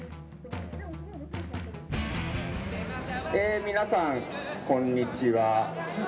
え皆さんこんにちは。